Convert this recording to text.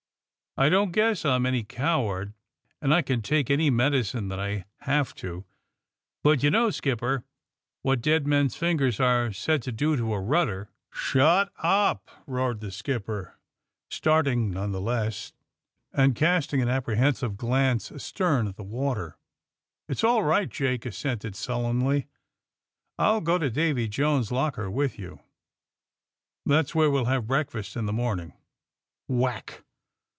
^'I don't guess I'm any coward, and I can take any medicine that I have to, hut you know, skipper, what dead men's fingers are said to do to a rudder." *^ Shut up !'* roared the skipper, starting none the less, and casting an aj')prehensive glance astern at the water. ^^ It 's all right, '^ Jake assented sullenly, *^ I '11 go to Davy Jones's locker with you. That^s where we'll have breakfast in the morning." Whack